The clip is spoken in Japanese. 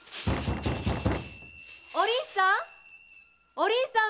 ・お凛さん！